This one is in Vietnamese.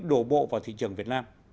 đổ bộ vào thị trường việt nam